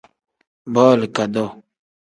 Booli kadoo.